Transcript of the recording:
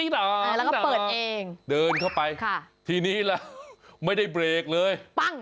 แล้วก็เปิดเองเดินเข้าไปทีนี้แหละไม่ได้เบรกเลย